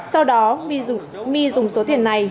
sau đó my dùng số tiền này